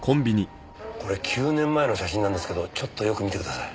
これ９年前の写真なんですけどちょっとよく見てください。